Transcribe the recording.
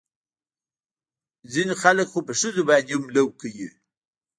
ځينې خلق خو په ښځو باندې لو هم کوي.